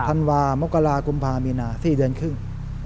ธันวามกรากุมภามีนา๔เดือนครึ่ง